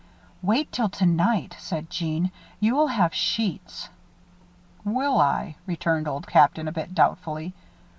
"Wait till tonight!" said Jeanne. "You'll have sheets!" "Will I?" returned Old Captain, a bit doubtfully.